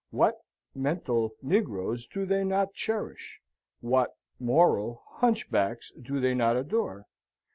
What (mental) negroes do they not cherish? what (moral) hunchbacks do they not adore?